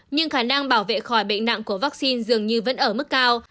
nhưng khả năng bảo vệ khỏi bệnh nặng của vaccine dường như vẫn ở mức cao